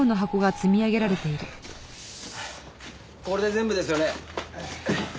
これで全部ですよね？